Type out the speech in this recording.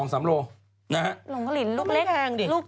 หลงกับลิ้นลูกเล็กแพงดิ